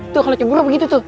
tuh kalau ceburu begitu tuh